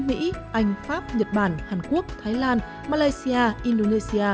mỹ anh pháp nhật bản hàn quốc thái lan malaysia indonesia